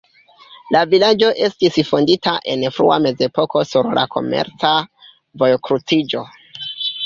La vilaĝo estis fondita en frua mezepoko sur la komerca vojkruciĝo.